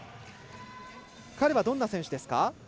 彼はどんな選手ですか？